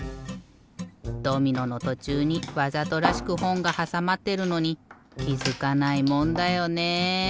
ドミノのとちゅうにわざとらしくほんがはさまってるのにきづかないもんだよね。